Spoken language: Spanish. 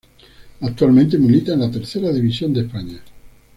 Actualmente milita en la Tercera División de España.